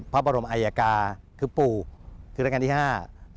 พระบรมอัยกาคือปู่คือรักษณะการที่๕